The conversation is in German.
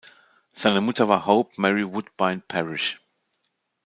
Seine Mutter war Hope Mary Woodbine Parrish.